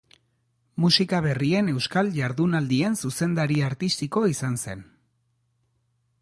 Musika Berrien Euskal Jardunaldien zuzendari artistiko izan zen.